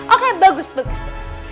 oke bagus bagus bagus